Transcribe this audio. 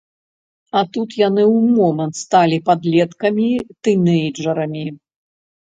А тут яны ў момант сталі падлеткамі-тынэйджэрамі!